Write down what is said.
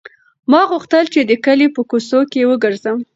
ما غوښتل چې د کلي په کوڅو کې وګرځم.